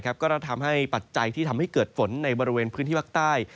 ก็จะทำให้ปัจจัยที่ทำให้เกิดฝนในบริเวณพื้นที่ภาคใต้